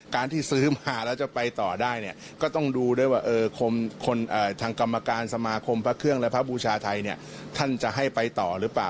การที่ซื้อมาแล้วจะไปต่อได้เนี่ยก็ต้องดูด้วยว่าทางกรรมการสมาคมพระเครื่องและพระบูชาไทยเนี่ยท่านจะให้ไปต่อหรือเปล่า